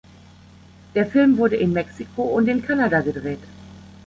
Der Film wurde in Mexiko und in Kanada gedreht.